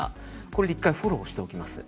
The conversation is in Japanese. これで１回フォローしておきます。